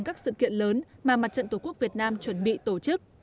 các sự kiện lớn mà mặt trận tổ quốc việt nam chuẩn bị tổ chức